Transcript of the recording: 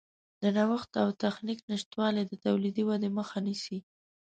د نوښت او تخنیک نشتوالی د تولیدي ودې مخه نیسي.